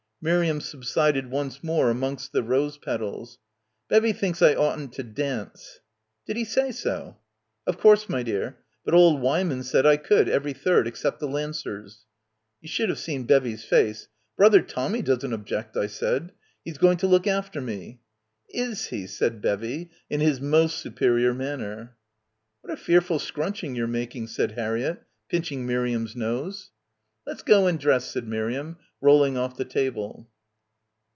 Miriam subsided once more amongst the rose petals. "Bevvy thinks I oughtn't to dance." "Did he say so?" "Of course, my dear. But old Wyman said I could, every third, except the Lancers." "You sh'd've seen Bevvy's face. 'Brother Tommy doesn't object,' I said. 'He's going to look after me!' 'Is he?' said Bevvy in 'his most superior manner." "What a fearful scrunching you're making," said Harriett, pinching Miriam's nose. "Let's go and dress," said Miriam, rolling off the table.